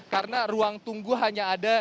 karena ruang tunggu hanya ada di sini